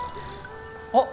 あっ！